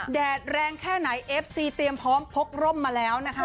แดดแรงแค่ไหนเอฟซีเตรียมพร้อมพกร่มมาแล้วนะคะ